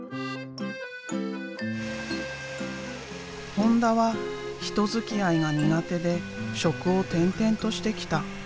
本田は人づきあいが苦手で職を転々としてきた。